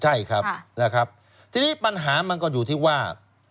ใช่ครับนะครับทีนี้ปัญหามันก็อยู่ที่ว่า